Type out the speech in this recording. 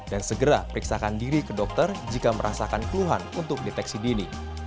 dan segera periksakan diri ke dokter jika merasakan keluhan untuk deteksi dini